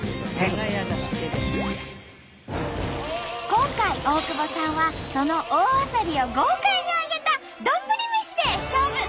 今回大久保さんはその大あさりを豪快に揚げた丼飯で勝負！